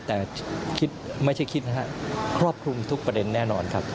แต่คิดไม่ใช่คิดนะครับครอบคลุมทุกประเด็นแน่นอนครับ